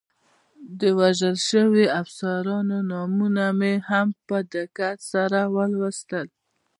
د وژل شویو افسرانو نومونه مې هم په دقت سره ولوستل.